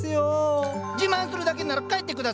自慢するだけなら帰ってください。